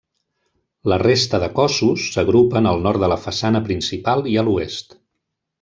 La resta de cossos s'agrupen al nord de la façana principal i a l'oest.